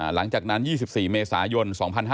หลังจากนั้น๒๔เมษายน๒๕๕๙